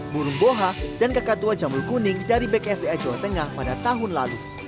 burung boha dan kakak tua jamur kuning dari bksda jawa tengah pada tahun lalu